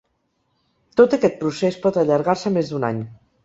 Tot aquest procés pot allargar-se més d’un any.